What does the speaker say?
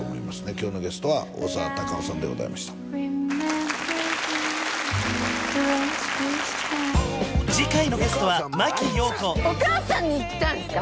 今日のゲストは大沢たかおさんでございました次回のゲストは真木よう子お母さんに行ったんすか？